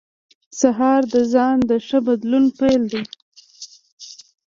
سهار د ځان ښه بدلون پیل دی.